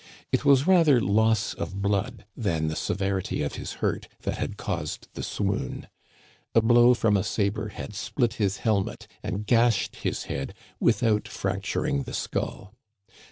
It was rather loss of blood than the severity of his hurt that had caused the swoon. A blow from a saber had split his helmet and gashed his head without fracturing the skull.